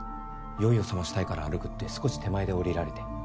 酔いをさましたいから歩くって少し手前で降りられて。